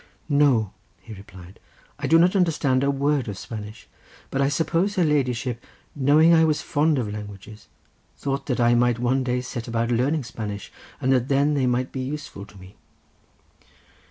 "No," he replied; "I do not understand a word of Spanish; but I suppose her ladyship, knowing I was fond of languages, thought that I might one day set about learning Spanish, and that then they might be useful to me."